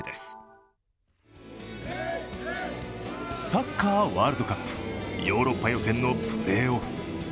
サッカー、ワールドカップ、ヨーロッパ予選のプレーオフ。